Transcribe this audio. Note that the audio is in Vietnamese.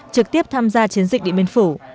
trực tiếp tham gia chiến dịch địa biên phủ